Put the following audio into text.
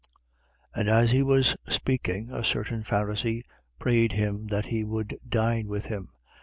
11:37. And as he was speaking, a certain Pharisee prayed him that he would dine with him.